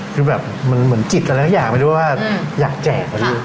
คือแบบมันเหมือนจิตอะไรสักอย่างไม่รู้ว่าอยากแจกเหรอลูก